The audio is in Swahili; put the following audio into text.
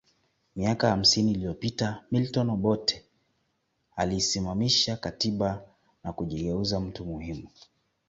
Miaka hamsini iliyopita Milton Obote aliisimamisha katiba na kujigeuza mtu muhimu